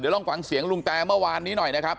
ลองฟังเสียงลุงแตเมื่อวานนี้หน่อยนะครับ